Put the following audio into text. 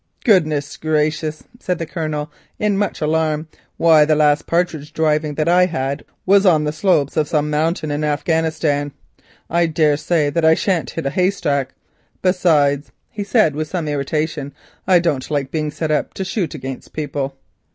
"Goodness gracious," said the Colonel, in much alarm. "Why, the last partridge driving that I had was on the slopes of some mountains in Afghanistan. I daresay that I shan't hit anything. Besides," he said with some irritation, "I don't like being set up to shoot against people."